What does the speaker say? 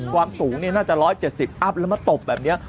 ความสูงนี่น่าจะ๑๗๐อัพแล้วมาตบแบบนี้